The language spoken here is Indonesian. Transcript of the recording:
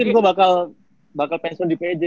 ya mungkin gue bakal pensiun di pj